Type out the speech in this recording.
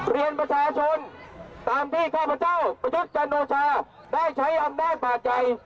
เรียนประชาชนตามที่ข้าพเจ้าประชุฯจันทรวชาได้ใช้อำนาจบาดใหญ่